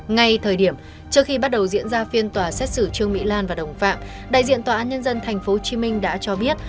ngay thời điểm trước khi bắt đầu diễn ra phiên tòa xét xử trương mỹ lan và đồng phạm đại diện tòa án nhân dân tp hcm đã cho biết